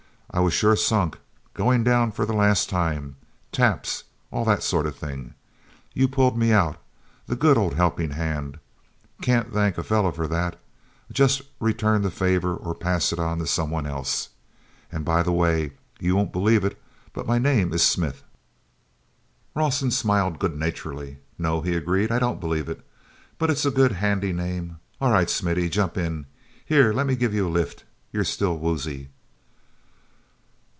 "I was sure sunk—going down for the last time—taps—all that sort of thing! You pulled me out—the good old helping hand. Can't thank a fellow for that—just return the favor or pass it on to someone else. And, by the way—you won't believe it—but my name is Smith." Rawson smiled good naturedly. "No," he agreed, "I don't believe it. But it's a good, handy name. All right, Smithy, jump in! Here, let me give you a lift; you're still woozy."